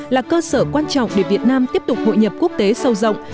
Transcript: là cơ sở quan trọng để việt nam tiếp tục hội nhập quốc tế sâu rộng